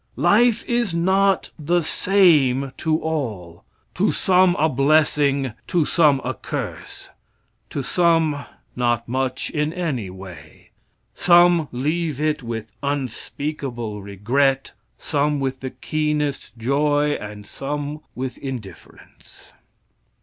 Life is not the same to all to some a blessing, to some a curse, to some not much in any way. Some leave it with unspeakable regret, some with the keenest joy, and some with indifference.